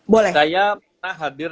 boleh saya pernah hadir